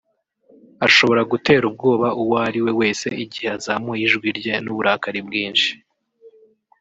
ashobora gutera ubwoba uwo ariwe wese igihe azamuye ijwi rye n’uburakari bwinshi